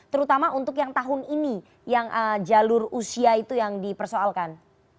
terutama untuk yang tahun ini yang jalur usia itu yang dipersoalkan